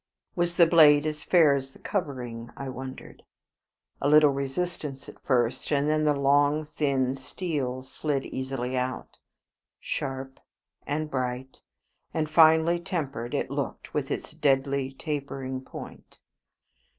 Was the blade as fair as the covering, I wondered? A little resistance at first, and then the long thin steel slid easily out. Sharp, and bright, and finely tempered it looked with its deadly, tapering point.